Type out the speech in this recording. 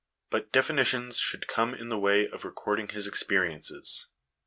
But definitions should come in the way of recording his experiences.